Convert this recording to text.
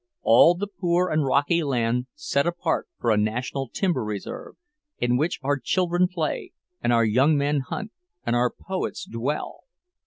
All the poor and rocky land set apart for a national timber reserve, in which our children play, and our young men hunt, and our poets dwell!